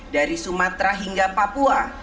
dari sumatera hingga papua